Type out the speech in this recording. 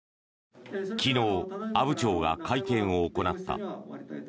昨日、阿武町が会見を行った。